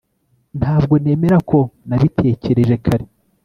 ntabwo nemera ko ntabitekereje kare